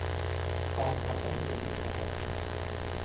กองทัพต้องเดินด้วยท้อง